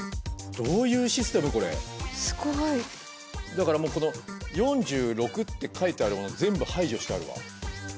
だからもうこの「４６」って書いてあるもの全部排除してあるわ。